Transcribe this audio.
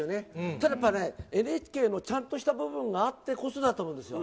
ただやっぱりね、ＮＨＫのちゃんとした部分があってこそだと思うんですよ。